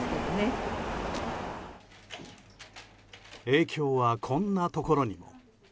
影響はこんなところにも。